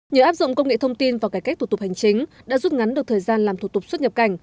nhờ áp dụng công nghệ thông tin và cải cách thủ tục hành chính đã rút ngắn được thời gian làm thủ tục xuất nhập cảnh